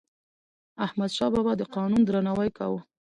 احمدشاه بابا د قانون درناوی کاوه.